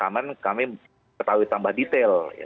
namun kami ketahui tambah detail